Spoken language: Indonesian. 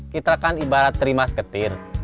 kita kan ibarat terima seketir